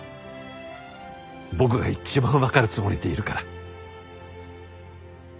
僕が一番わかるつもりでいるから。